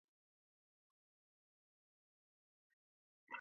Eng hesabuk ngomaingen ketuiyo, kenem anan keteshkk ko koroom missing